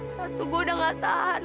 satu gue udah gak tahan